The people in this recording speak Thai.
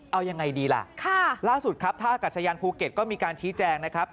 เอายังไงดีล่ะล่าสุดครับท่ากัชยานภูเก็ตก็มีการชี้แจงนะครับ